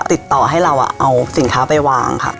ติดต่อให้เราเอาสินค้าไปวางค่ะ